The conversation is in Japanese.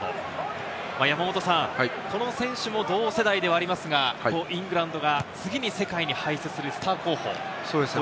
この選手も同世代ではありますが、イングランドが次に世界に輩出するスター候補。